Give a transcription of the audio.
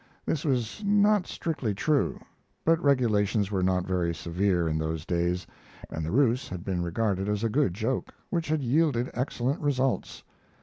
This was not strictly true; but regulations were not very severe in those days, and the ruse had been regarded as a good joke, which had yielded excellent results.